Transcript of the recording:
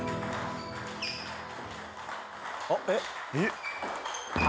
えっ？えっ？